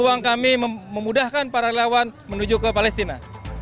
bantu kami untuk memudahkan para relawan untuk menuju ke palestina